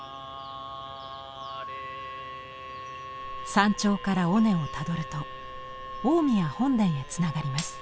山頂から尾根をたどると大宮本殿へつながります。